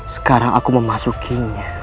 sekarang aku memasukinya